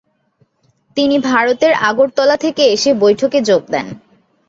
তিনি ভারতের আগরতলা থেকে এসে বৈঠকে যোগ দেন।